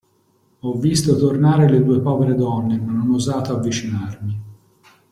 Ho visto tornare le due povere donne, ma non ho osato avvicinarmi.